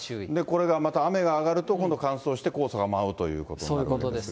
これがまた雨が上がると、今度乾燥して、黄砂が舞うということになるとのことですが。